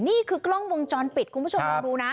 นี่คือกล้องวงจรปิดคุณผู้ชมลองดูนะ